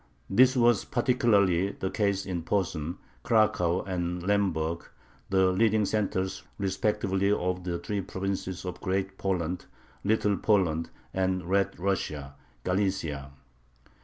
This was particularly the case in Posen, Cracow, and Lemberg, the leading centers respectively of the three provinces of Great Poland, Little Poland, and Red Russia (Galicia).